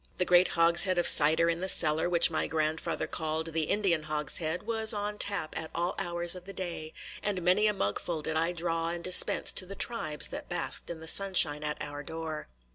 The great hogshead of cider in the cellar, which my grandfather called the Indian Hogshead, was on tap at all hours of the day; and many a mugful did I draw and dispense to the tribes that basked in the sunshine at our door.